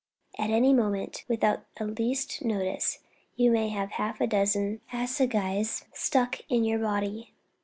At any moment, without the least notice, you may have half a dozen assegais stuck in your body.